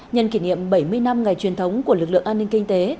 nhân kỷ niệm bảy mươi năm ngày truyền thống của lực lượng an ninh kinh tế